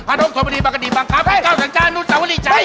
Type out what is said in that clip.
พระโทษโทษมาดีบังกะดีบางค้าปิ้นเก้าสัญญานุนสวรรค์หลีจัย